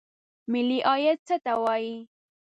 ملي عاید څه ته وایي؟